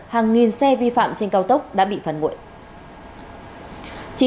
hàng nghìn xe vi phạm trên cao tốc đã bị phạt nguội